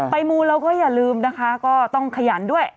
มูลแล้วก็อย่าลืมนะคะก็ต้องขยันด้วย